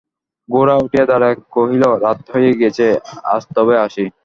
গোরা উঠিয়া দাঁড়াইয়া কহিল, রাত হয়ে গেছে, আজ তবে আসি।